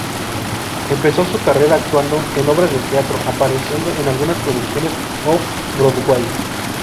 Empezó su carrera actuando en obras de teatro, apareciendo en algunas producciones Off-Broadway.